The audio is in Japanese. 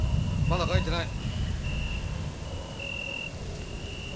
まだ帰ってない。